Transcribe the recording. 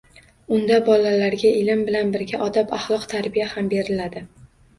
Unda bolalarga ilm bilan birga odob-axloq, tarbiya ham beriladi.